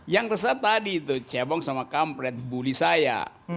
yang resah tadi itu cebong sama kampret bully saya